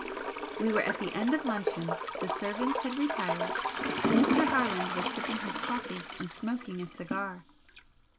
We were at the end of luncheon, the servants had retired, and Mr. Harland was sipping his coffee and smoking a cigar.